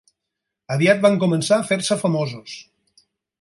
Aviat van començar a fer-se famosos.